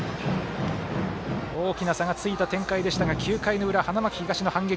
大きな差がついた展開でしたが９回の裏花巻東の反撃。